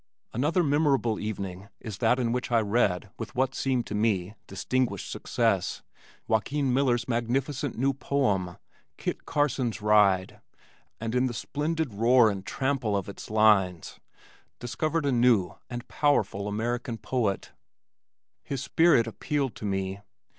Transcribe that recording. Another memorable evening is that in which I read with what seemed to me distinguished success Joaquin Miller's magnificent new poem, Kit Carson's Ride and in the splendid roar and trample of its lines discovered a new and powerful American poet. His spirit appealed to me.